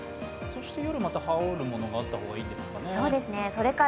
そして夜、また羽織るものがあった方がいいですか？